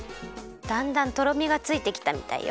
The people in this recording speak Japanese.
だんだんとろみがついてきたみたいよ。